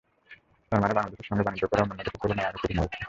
তার মানে বাংলাদেশের সঙ্গে বাণিজ্য করা অন্যান্য দেশের তুলনায় আরও কঠিন হয়েছে।